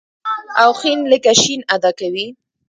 او ښ لکه ش ادا کوي.